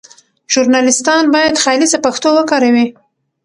ژورنالیستان باید خالصه پښتو وکاروي.